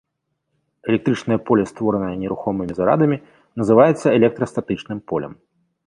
Электрычнае поле, створанае нерухомымі зарадамі, называецца электрастатычным полем.